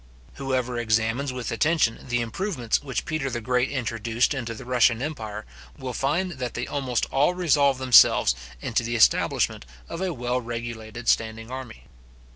Whoever examines with attention, the improvements which Peter the Great introduced into the Russian empire, will find that they almost all resolve themselves into the establishment of a well regulated standing army.